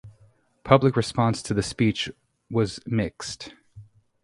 Public response to the speech was mixed.